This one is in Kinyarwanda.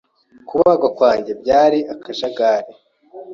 kubagwa kwanjye byari akajagari